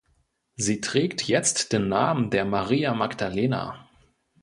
Sie trägt jetzt den Namen der Maria Magdalena.